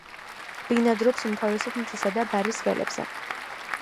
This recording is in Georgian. ბინადრობს, უმთავრესად მთისა და ბარის ველებზე.